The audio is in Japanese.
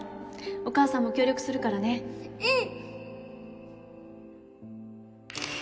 お母さんも協力するかうん！